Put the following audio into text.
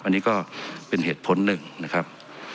อันนี้ก็เป็นเหตุผลหนึ่งนะครับ